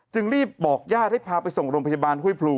รีบบอกญาติให้พาไปส่งโรงพยาบาลห้วยพลู